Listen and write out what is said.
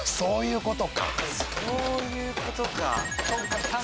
そういうことか。